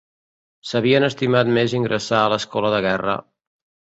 S'havien estimat més ingressar a l'Escola de Guerra